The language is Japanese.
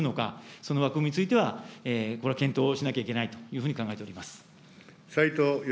その枠組みについては、これは検討しなきゃいけないというふうに考えております。